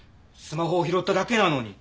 スマホを拾っただけなのに。